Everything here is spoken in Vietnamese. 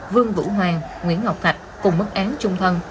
vương vũ hoàng nguyễn ngọc thạch cùng mất án chung thân